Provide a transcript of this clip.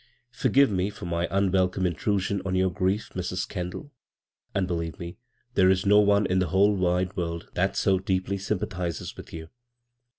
" Forgive me for my imwelcome intrusion on your grief, Mrs. Kendall ; and believe me, there is no one in the whole wide world that so deeply sympathizes with you.